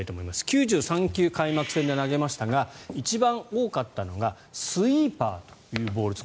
９３球、開幕戦で投げましたが一番多かったのがスイーパーというボールです。